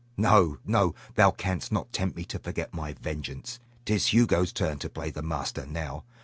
No, no; thou canst not tempt me to forget my vengeance. 'Tis Hugo's turn to play the master now.